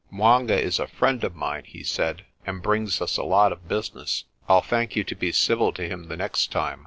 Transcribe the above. " 'Mwanga is a good friend of mine," he said, "and brings us a lot of business. I'll thank you to be civil to him the next time."